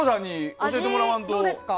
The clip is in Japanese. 味、どうですか？